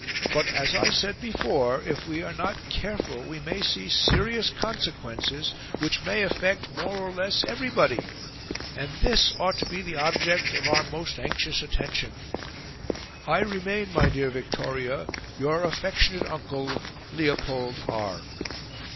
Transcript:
But, as I said before, if we are not careful we may see serious consequences which may affect more or less everybody, and THIS ought to be the object of our most anxious attention. I remain, my dear Victoria, your affectionate uncle, Leopold R."